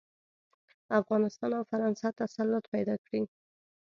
افغانستان او فرانسه تسلط پیدا کړي.